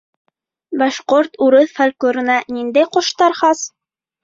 Башҡорт, урыҫ фольклорына ниндәй ҡоштар хас?